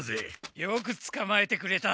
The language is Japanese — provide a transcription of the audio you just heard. よくつかまえてくれた。